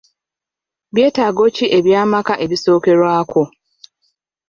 Byetaago ki eby'amaka ebisookerwako?